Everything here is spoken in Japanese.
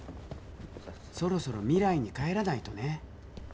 そろそろ未来に帰らないとね。